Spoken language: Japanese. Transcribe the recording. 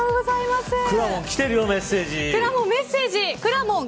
くらもん、来てるよメッセージ。